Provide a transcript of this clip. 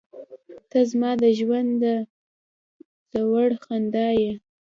• ته زما د ژونده زړور خندا یې.